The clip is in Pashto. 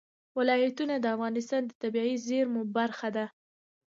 ولایتونه د افغانستان د طبیعي زیرمو برخه ده.